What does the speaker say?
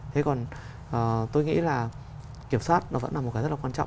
thế còn tôi nghĩ là kiểm soát nó vẫn là một cái rất là quan trọng